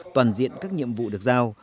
toàn diện các nhiệm vụ được giao